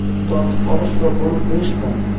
«Tortib olish va bo‘lib berishmi?»